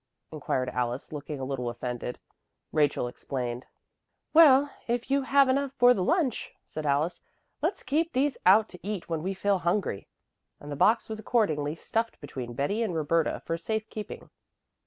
inquired Alice, looking a little offended. Rachel explained. "Well, if you have enough for the lunch," said Alice, "let's keep these out to eat when we feel hungry." And the box was accordingly stuffed between Betty and Roberta for safe keeping.